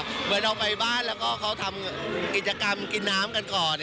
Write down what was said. เหมือนเราไปบ้านแล้วก็เขาทำกิจกรรมกินน้ำกันก่อน